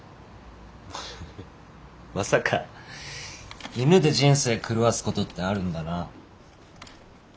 まさか犬で人生狂わすことってあるんだな。